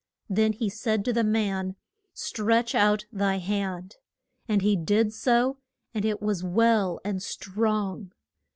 Then he said to the man, Stretch out thy hand. And he did so, and it was well and strong.